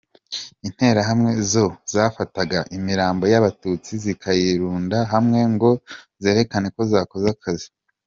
Interahamwe zo, zafataga imirambo y’abatutsi zikayirunda hamwe ngo zerekane ko zakoze akazi !!!